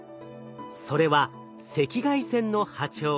それは赤外線の波長。